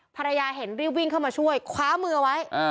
ภรรยาเห็นรีบวิ่งเข้ามาช่วยคว้ามือไว้